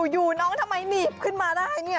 อยู่น้องทำไมหนีบขึ้นมาได้เนี่ย